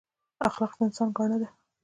اخلاق د انسان ګاڼه ده